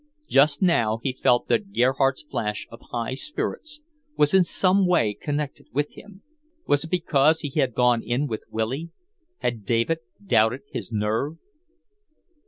Just now he felt that Gerhardt's flash of high spirits was in some way connected with him. Was it because he had gone in with Willy? Had David doubted his nerve?